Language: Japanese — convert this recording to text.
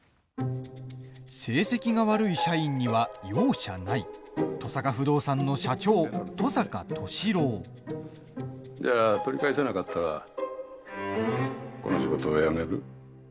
成績が悪い社員には容赦ない登坂不動産の社長、登坂寿郎。じゃあ取り返せなかったらこの仕事、辞める？